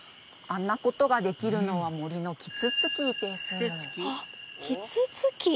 あんなことができるのは森のキツツキですあっキツツキ？